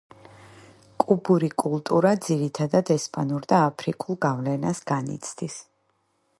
კუბური კულტურა ძირითადად ესპანურ და აფრიკულ გავლენას განიცდის.